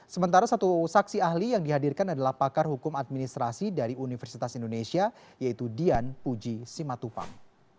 sementara satu saksi ahli yang dihadirkan adalah pakar hukum administrasi dari universitas indonesia yaitu dian puji simatupang